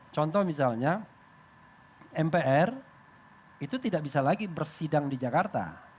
contoh misalnya mpr itu tidak bisa lagi bersidang di jakarta